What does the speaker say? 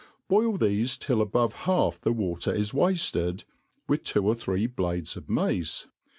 Boil thefe till above half the water is wafted, with two or three blades of mace.